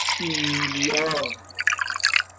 ایلیار